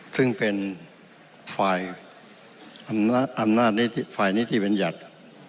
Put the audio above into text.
ซึ่งเป็นฝ่ายอำนาจฝ่ายนิติเป็นยัตริย์